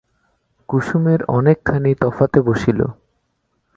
কুসুমের অনেকখানি তফাতে বসিল।